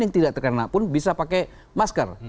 yang tidak terkena pun bisa pakai masker